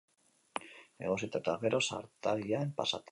Egosita eta gero zartagian pasata.